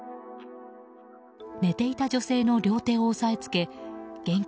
寝ていた女性の両手を押さえつけ現金